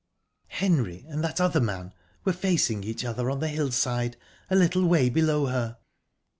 Henry and that other man were facing each other on the hillside, a little way below her.